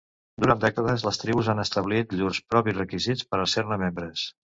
Durant dècades les tribus han establit llurs propis requisits per a ser-ne membres.